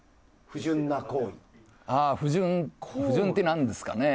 不純ってなんですかね。